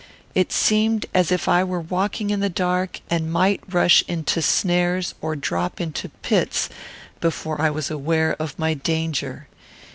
It seemed as if I were walking in the dark and might rush into snares or drop into pits before I was aware of my danger.